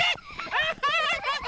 アハハハハ！